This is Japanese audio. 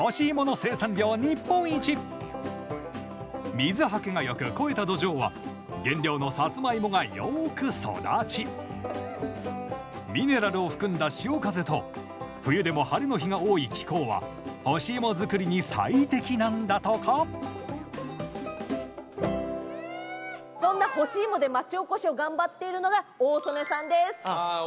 水はけがよく肥えた土壌は原料のさつまいもがよく育ちミネラルを含んだ潮風と冬でも晴れの日が多い気候は干し芋作りに最適なんだとかそんな干し芋で町おこしを頑張っているのが大曽根さんです。